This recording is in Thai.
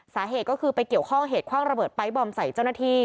สาเหตุก็คือไปเกี่ยวข้องเหตุคว่างระเบิดไป๊บอมใส่เจ้าหน้าที่